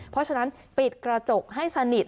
เพราะฉะนั้นปิดกระจกให้สนิท